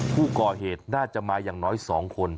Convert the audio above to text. ผู้ก่อเหตุน่าจะมาอย่างน้อย๒คน